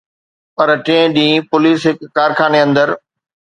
پر ٽئين ڏينهن پوليس هڪ ڪارخاني اندر